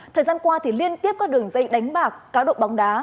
thời gian qua liên tiếp các đường dây đánh bạc cá độ bóng đá